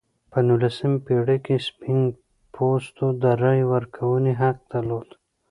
په نولسمې پېړۍ کې سپین پوستو د رایې ورکونې حق درلود.